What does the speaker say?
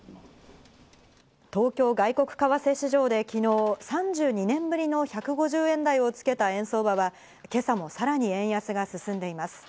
東京外国為替市場で昨日、３２年ぶりの１５０円台をつけた円相場は今朝もさらに円安が進んでいます。